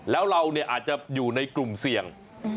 แล้วเราอาจจะอยู่ในกลุ่มเสี่ยง